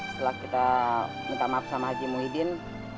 setelah kita minta maaf sama haji muhyiddin